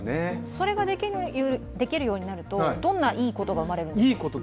それができるようになるとどんないいことが生まれるんですか？